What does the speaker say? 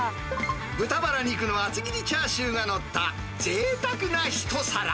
豚バラ肉の厚切りチャーシューが載ったぜいたくな一皿。